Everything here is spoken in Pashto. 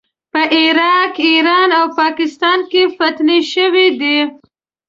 په عراق، ایران او پاکستان کې فتنې شوې دي.